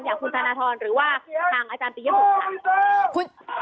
อย่างคุณธนทรหรือว่าทางอาจารย์ปีย๖ค่ะ